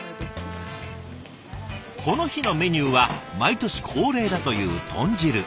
この日のメニューは毎年恒例だという豚汁。